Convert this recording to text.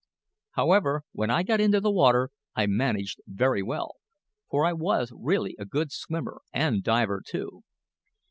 However, when I got into the water I managed very well; for I was really a good swimmer and diver too.